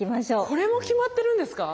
これも決まってるんですか？